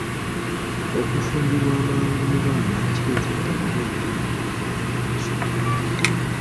Okufumbirwa amangu mu baana kireetedde abawala bangi okuva mu masomero.